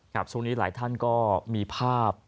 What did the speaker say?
ครับทุกวันนี้หลายท่านก็มีภาพ